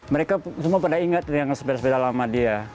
mereka semua pada ingat dengan sepeda sepeda lama dia